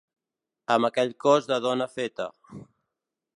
Amb aquell cos de dona feta.